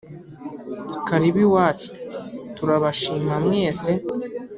karibu iwacu turabashima mwese